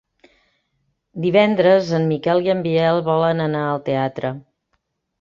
Divendres en Miquel i en Biel volen anar al teatre.